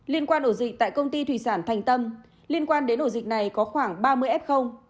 liên quan ổ dịch tại công ty thủy sản thành tâm liên quan đến ổ dịch này có khoảng ba mươi f